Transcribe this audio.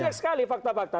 banyak sekali fakta fakta